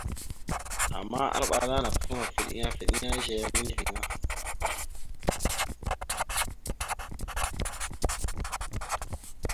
Ama arɓa ana napafaŋva afa eɗeŋa zeya mindəviŋa.